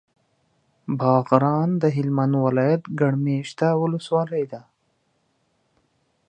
باغران د هلمند ولایت ګڼ مېشته ولسوالي ده.